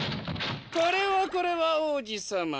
これはこれは王子さま。